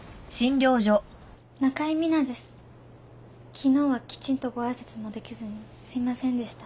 昨日はきちんとごあいさつもできずにすいませんでした。